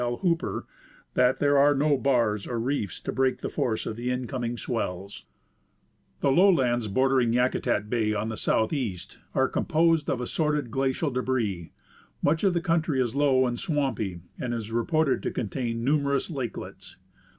L. Hooper, that there are no bars or reefs to break the force of the incoming swells. The Fledinont Plateau and the Mountains. 57 The lowlands bordering Yakutat bay on the southeast are composed of assorted glacial debris. Much of the country is low and swampy, and is reported to contain numerous lakelets.